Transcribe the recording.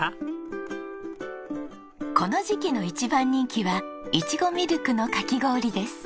この時期の一番人気はいちごミルクのかき氷です。